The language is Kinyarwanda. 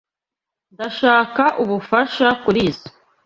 Ndashaka ubufasha kurizoi.